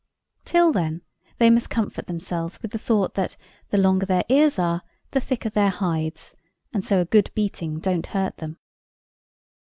Till then, they must comfort themselves with the thought, that the longer their ears are, the thicker their hides; and so a good beating don't hurt them.